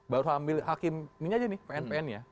baru ambil hakim ini saja nih pn pnnya